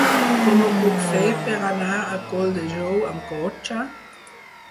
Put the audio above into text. Com ho puc fer per anar a Colldejou amb cotxe?